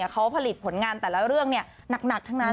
เขาผลิตผลงานแต่ละเรื่องหนักทั้งนั้น